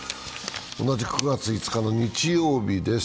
同じ９月５日の日曜日です。